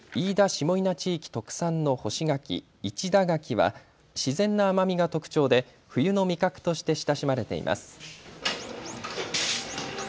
下伊那地域特産の干し柿、市田柿は自然な甘みが特徴で冬の味覚として親しまれています。